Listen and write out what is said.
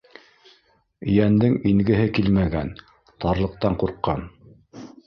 Йәндең ингеһе килмәгән, тарлыҡтан ҡурҡҡан.